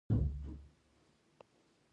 ګوښه توب د ژبې د مړینې پیل دی.